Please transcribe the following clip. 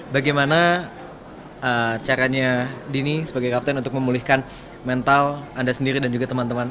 bagaimana caranya dini sebagai kapten untuk memulihkan mental anda sendiri dan juga teman teman